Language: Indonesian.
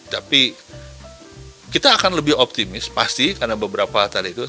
tapi kita akan lebih optimis pasti karena beberapa tadi itu